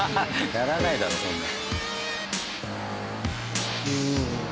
やらないだろそんなの。